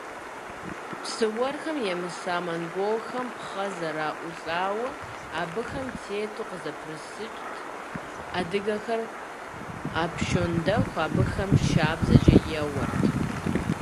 Псы уэрхэм емыса монголхэм пхъэ зэраӏулӏауэ, абыхэм тету къызэпрысыкӏырт, адыгэхэр апщӏондэху абыхэм шабзэкӏэ еуэрт.